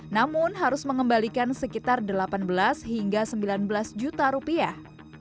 namun harus mengembalikan sekitar delapan belas hingga sembilan belas juta rupiah